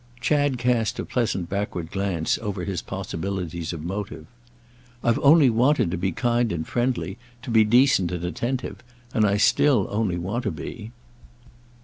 Chad cast a pleasant backward glance over his possibilities of motive. "I've only wanted to be kind and friendly, to be decent and attentive—and I still only want to be."